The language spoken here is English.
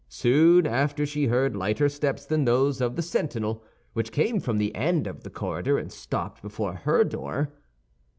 Soon after she heard lighter steps than those of the sentinel, which came from the end of the corridor and stopped before her door.